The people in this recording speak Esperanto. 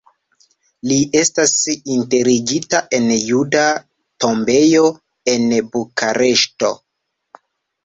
Li estas enterigita en Juda Tombejo en Bukareŝto.